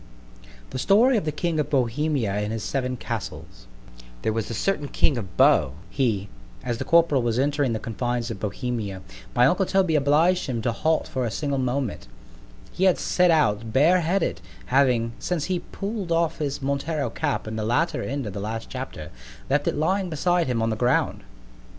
THE STORY OF THE KING OF BOHEMIA AND HIS SEVEN CASTLES THERE was a certain king of Bo he—— As the corporal was entering the confines of Bohemia, my uncle Toby obliged him to halt for a single moment; he had set out bare headed, having, since he pull'd off his Montero cap in the latter end of the last chapter, left it lying beside him on the ground.